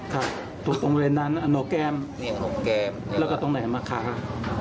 ค่ะถูกตรงนั้นนั้นอันนกแก้มแล้วก็ตรงไหนมาขาครับ